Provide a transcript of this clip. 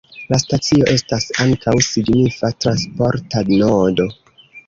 La stacio estas ankaŭ signifa transporta nodo.